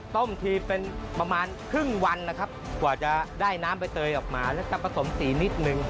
ต้มทีเป็นประมาณครึ่งวันนะครับกว่าจะได้น้ำใบเตยออกมาแล้วก็ผสมสีนิดนึง